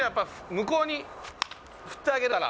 向こうに振ってあげたら。